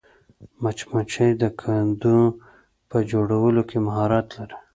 مچمچۍ د کندو په جوړولو کې مهارت لري